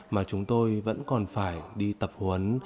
mà chúng tôi vẫn còn phải đi tập huấn